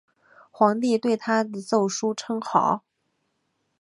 皇帝对他的奏疏称好。